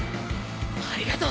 ありがとう